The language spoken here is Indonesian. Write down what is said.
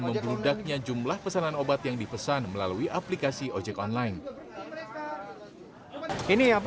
memperudaknya jumlah pesanan obat yang dipesan melalui aplikasi ojek online